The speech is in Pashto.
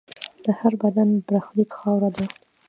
د هر بدن برخلیک خاوره ده.